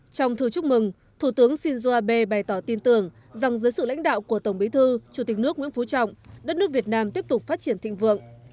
trong thư chúc mừng thủ tướng shinzo abe bày tỏ tin tưởng rằng dưới sự lãnh đạo của tổng bí thư chủ tịch nước nguyễn phú trọng đất nước việt nam tiếp tục phát triển thịnh vượng